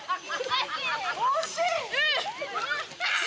惜しい！